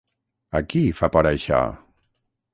A qui fa por això?